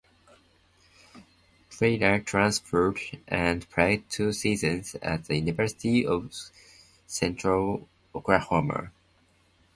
Traylor transferred and played two seasons at the University of Central Oklahoma.